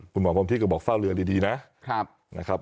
คุณหมอพรมที่ก็บอกเฝ้าเรือดีนะครับ